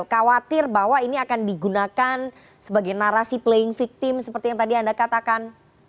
khawatir bahwa ini akan digunakan sebagai narasi playing victim seperti yang tadi anda katakan